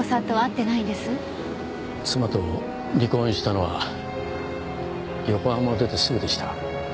妻と離婚したのは横浜を出てすぐでした。